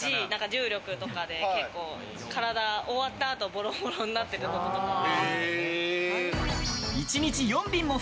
Ｇ、重力とかで体、終わったあとボロボロになってることとかも。